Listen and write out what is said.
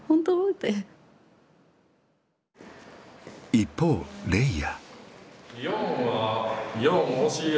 一方レイヤ。